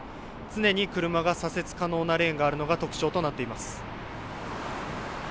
常に車が左折可能なレーンがあるのが特徴となっています。